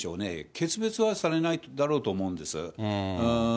決別はされないだろうと思うんです。